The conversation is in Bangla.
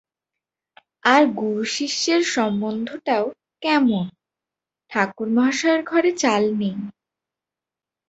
আর গুরু-শিষ্যের সম্বন্ধটাও কেমন! ঠাকুর-মহাশয়ের ঘরে চাল নেই।